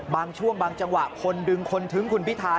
บางช่วงบางจังหวะคนดึงคนทึ้งคุณพิธา